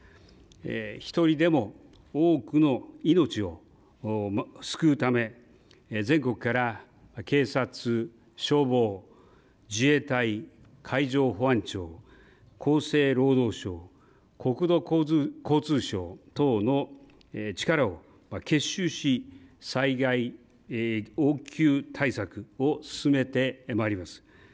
１人でも多くの命を救うため全国から警察、消防、自衛隊、海上保安庁、厚生労働省、国土交通省等の力を結集し災害応急対策を進めてまいります。